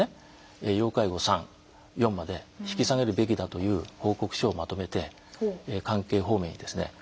要介護３４まで引き下げるべきだという報告書をまとめて関係方面にですね